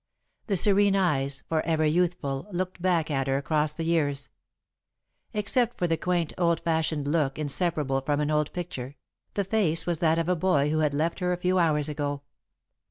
The serene eyes, for ever youthful, looked back at her across the years. Except for the quaint, old fashioned look inseparable from an old picture, the face was that of the boy who had left her a few hours ago.